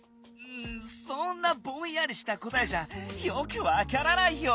そんなぼんやりしたこたえじゃよくわからないよ！